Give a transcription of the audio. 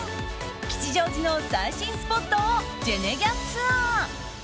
吉祥寺の最新スポットをジェネギャツアー。